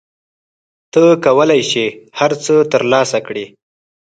ته کولای شې هر څه ترلاسه کړې.